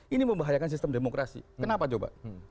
ini membahayakan sistem demokrasi kenapa coba